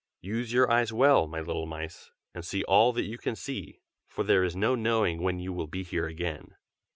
Use your eyes well, my little mice, and see all that you can see, for there is no knowing when you will be here again."